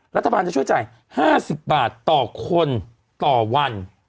รัฐบาลจะช่วยจ่าย๕๐บาทต่อคนต่อวัน